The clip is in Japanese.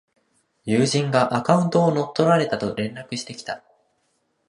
友人がアカウントを乗っ取られたと連絡してきた